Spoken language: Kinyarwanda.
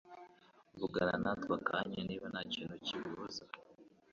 vugana natwe akanya niba ntakintu kibibuza